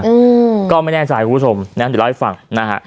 อืมก็ไม่แน่ใจคุณผู้ชมนะเดี๋ยวเล่าให้ฟังนะฮะ